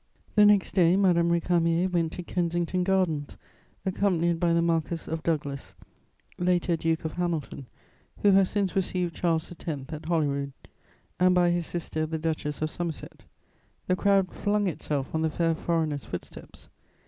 The next day, Madame Récamier went to Kensington Gardens, accompanied by the Marquess of Douglas, later Duke of Hamilton, who has since received Charles X. at Holyrood, and by his sister the Duchess of Somerset. The crowd flung itself on the fair foreigner's footsteps.